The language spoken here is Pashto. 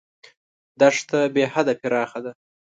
دښته بېحده پراخه ده.